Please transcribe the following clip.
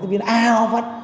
tôi nghĩ là áo phát